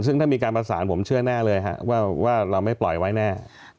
ซึ่งถ้ามีการประสานผมเชื่อแน่เลยว่าเราไม่ปล่อยไว้แน่